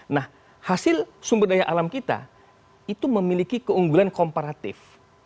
nah hasil sumber daya alam kita itu memiliki keunggulan komparatif